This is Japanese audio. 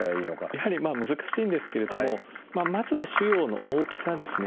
やはり難しいんですけれどもまずは腫瘍の大きさですね。